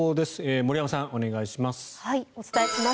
森山さん、お願いします。